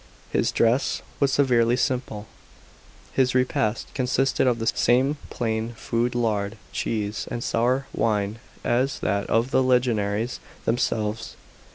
His dress was severely simple; his repast consisted of the same plain food — lard, cheese, and sour wine — as that of the legionaries themselves.